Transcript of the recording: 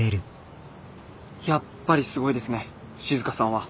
やっぱりすごいですね静さんは。